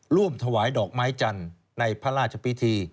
ร่วมถวายดอกไม้จันทร์ในพระราชพิธี